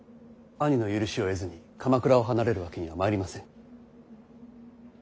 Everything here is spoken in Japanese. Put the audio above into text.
兄の許しを得ずに鎌倉を離れるわけにはまいりません。